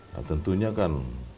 nah tentunya kan